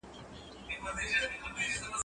که وخت وي، پاکوالی کوم!.